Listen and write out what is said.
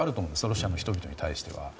ロシアの人々に対しては。